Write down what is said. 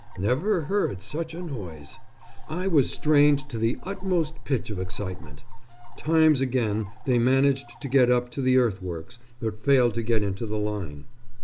Never heard such a noise. I was strained to the utmost pitch of excitement. Times again they managed to get up to the earthworks, but failed to get into the line.